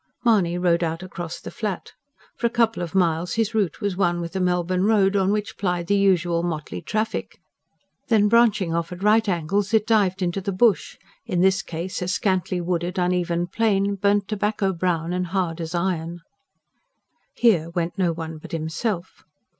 Mahony rode out across the Flat. For a couple of miles his route was one with the Melbourne Road, on which plied the usual motley traffic. Then, branching off at right angles, it dived into the bush in this case a scantly wooded, uneven plain, burnt tobacco brown and hard as iron. Here went no one but himself.